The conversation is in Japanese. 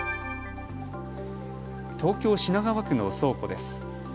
東京品川区の倉庫です。